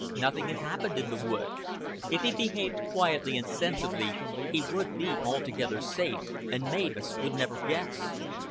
Nothing had happened in the wood. If he behaved quietly and sensibly, he would be altogether safe, and Mavis would never guess.